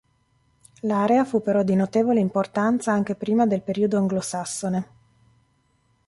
L'area fu però di notevole importanza anche prima del periodo anglosassone.